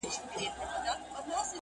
سره غرمه وه لار اوږده بټي بیابان وو!!